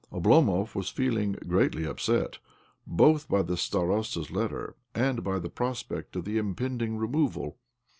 Oblomov was feeling greatly upset, both by the starosta's letter and by the prospect of the impending removal.